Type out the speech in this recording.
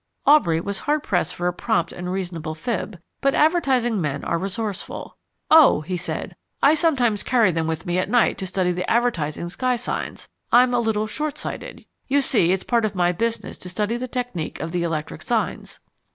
Aubrey was hard pressed for a prompt and reasonable fib, but advertising men are resourceful. "Oh," he said, "I sometimes carry them with me at night to study the advertising sky signs. I'm a little short sighted. You see, it's part of my business to study the technique of the electric signs."